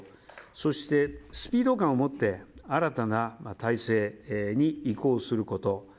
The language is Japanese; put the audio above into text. そして、スピード感を持って新たな体制に移行すること。